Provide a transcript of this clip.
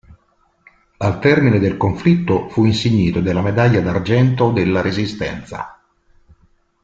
Al termine del conflitto fu insignito della medaglia d'argento della Resistenza.